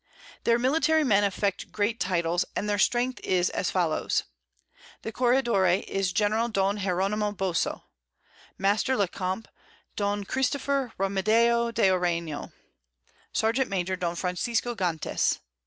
Their Military Men affect great Titles, and their Strength is as follows. The Corregidore is General, Don Hieronimo Boso. Master le Camp, Don Christopher Ramadeo de Areano. Serjeant Major, Don Francisco Gantes.